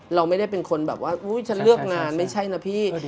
เราไม่ได้เป็นคนแบบว่าอุ๊ยฉันเลือกงานไม่ใช่นะพี่